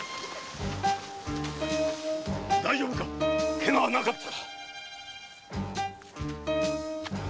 大丈夫かケガはなかったか？